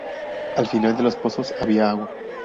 Al final de los pozos había agua.